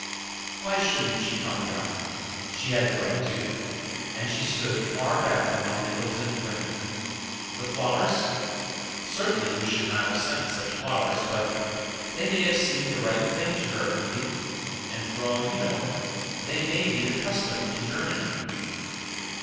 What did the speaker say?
"Why shouldn't she come down? She had the right to, and she stood far back among the Hilton women. The flowers certainly we should not have sent such flowers, but they may have seemed the right thing to her, Evie, and for all you know they may be the custom in Germany.